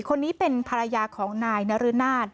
คนนี้เป็นภรรยาของนายนรนาศ